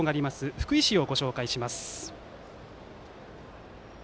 福井市を、ご紹介します。